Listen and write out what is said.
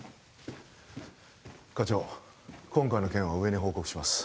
課長今回の件は上に報告します